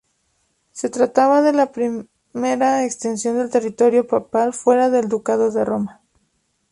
Se trataba de la primera extensión del territorio papal fuera del ducado de Roma.